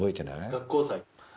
学校祭。